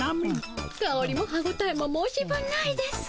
かおりも歯ごたえも申し分ないです。